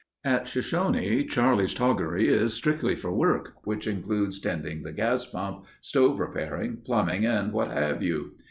At Shoshone Charlie's toggery is strictly for work which includes tending the gas pump, stove repairing, plumbing, and what have you.